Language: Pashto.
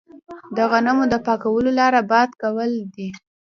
د غنمو د پاکولو لاره باد کول دي.